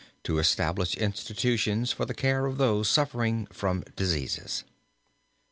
to establish institutions for the care of those suffering from diseases."